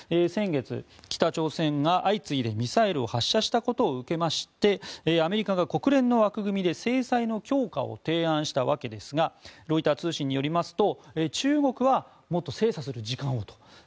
先月、北朝鮮が相次いでミサイルを発射したことを受けましてアメリカが国連の枠組みで制裁の強化を提案したわけですがロイター通信によりますと中国はもっと精査する時間をと。